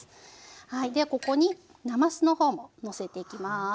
はいではここになますの方ものせていきます。